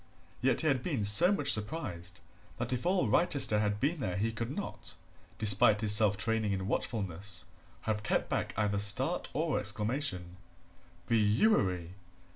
Yet he had been so much surprised that if all Wrychester had been there he could not, despite his self training in watchfulness, have kept back either start or exclamation. Bewery!